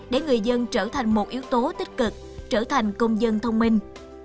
để người dân trở thành một yếu tố tích cực trở thành công dân thông minh